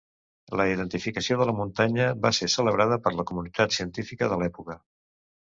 La identificació de la muntanya va ser celebrada per la comunitat científica de l'època.